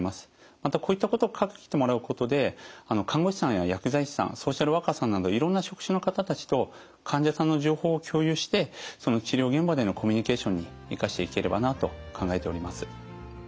またこういったことを書いてもらうことで看護師さんや薬剤師さんソーシャルワーカーさんなどいろんな職種の方たちと患者さんの情報を共有してその治療現場でのコミュニケーションに生かしていければなと考えております。